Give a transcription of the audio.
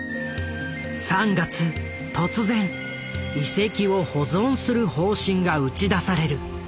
３月突然遺跡を保存する方針が打ち出される。